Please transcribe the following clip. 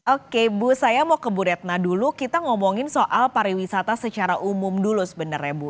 oke bu saya mau ke bu retna dulu kita ngomongin soal pariwisata secara umum dulu sebenarnya bu